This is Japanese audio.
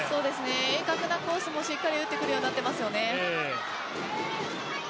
鋭角のコースもしっかり打つようになってきていますね。